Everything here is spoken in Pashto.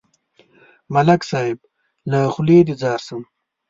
ملک صاحب، له خولې دې ځار شم.